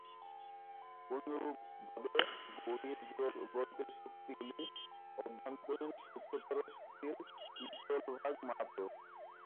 অনুরূপভাবে বহির্জগতের শক্তিগুলি অভ্যন্তরীণ সূক্ষ্মতর শক্তির স্থূলভাগ মাত্র।